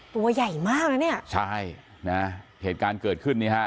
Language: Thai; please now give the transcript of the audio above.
ตัวใหญ่มากนะเนี่ยใช่นะเหตุการณ์เกิดขึ้นนี่ฮะ